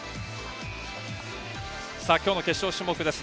今日の決勝種目です。